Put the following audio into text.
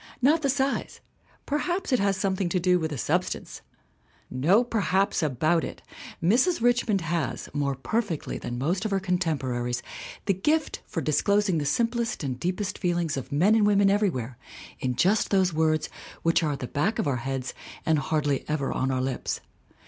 Not the size ; perhaps it has something to do with the sub stance ! No perhaps about it! Mrs. Richmond has, more perfectly than most of her contemporaries, the gift for disclosing the simplest and deepest feelings of men and women everywhere in just those words which are at the back of our heads and hardly ever on our lips.